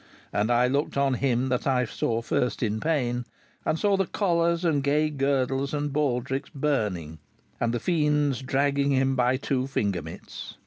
And I looked on him that I saw first in pain, and saw the collars and gay girdles and baldrics burning, and the fiends dragging him by two fingermits.